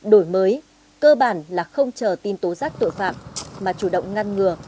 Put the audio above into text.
đổi mới cơ bản là không chờ tin tố giác tội phạm mà chủ động ngăn ngừa